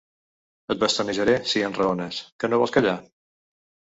Et bastonejaré, si enraones! Que no vols callar?